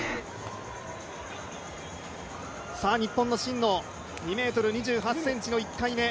日本の真野２ｍ２８ｃｍの１回目。